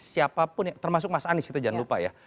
siapapun termasuk mas anies kita jangan lupa ya